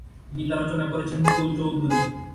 গীত রচনা করেছেন মুকুল চৌধুরী।